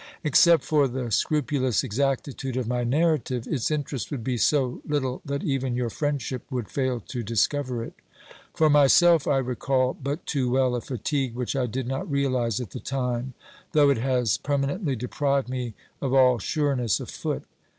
Except for the scrupulous exactitude of my narrative, its interest would be so little that even your friendship would fail to discover it. For myself, 1 recall but too well a fatigue which I did not realise at the time, though it has perma nently deprived me of all sureness of foot.